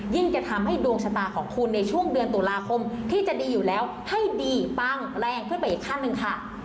จะทำให้ดวงชะตาของคุณในช่วงเดือนตุลาคมที่จะดีอยู่แล้วให้ดีปังแรงขึ้นไปอีกขั้นหนึ่งค่ะ